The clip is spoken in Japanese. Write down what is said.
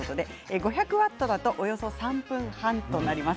５００ワットだとおよそ３分半となります。